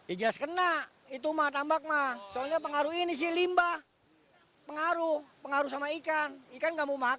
ikan gak mau makan